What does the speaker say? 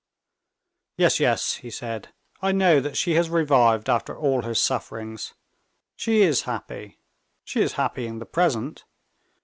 "Yes, yes," he said, "I know that she has revived after all her sufferings; she is happy. She is happy in the present.